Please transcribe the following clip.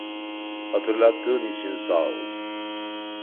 Hatırlattığın için sağ ol.